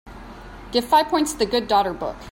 Give five points to The Good Daughter book